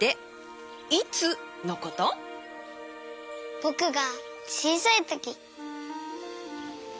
ぼくがちいさいとき。